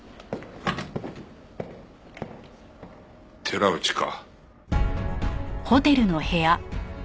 寺内か。